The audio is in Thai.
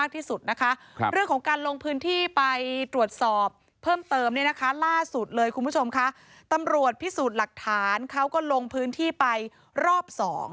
ตำรวจเลยคุณผู้ชมค่ะตำรวจพิสูจน์หลักฐานเขาก็ลงพื้นที่ไปรอบ๒